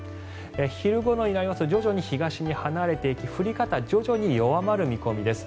昼頃になりますと徐々に東に離れていき降り方は徐々に弱まる見込みです。